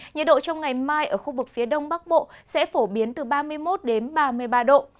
nhiệt độ trong ngày mai ở khu vực phía đông bắc bộ sẽ phổ biến từ ba mươi một đến ba mươi ba độ